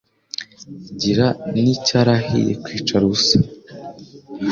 Igira n' icyarahiye kwicara ubusa,